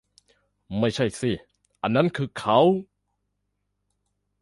ไม่ใช่สิ อันนั้นคือเคาน์